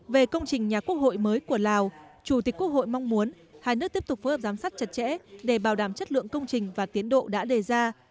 về công trình nhà quốc hội mới của lào chủ tịch quốc hội mong muốn hai nước tiếp tục phối hợp giám sát chặt chẽ để bảo đảm chất lượng công trình và tiến độ đã đề ra